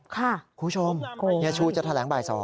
คุณผู้ชมเฮียชูจะแถลงบ่าย๒